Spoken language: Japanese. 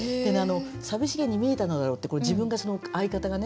「寂しげに見えたのだろう」ってこれ自分がその相方がね。